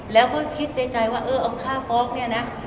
แล้วก็คิดในใจว่าเออเอาค่าฟ้องเนี่ยนะ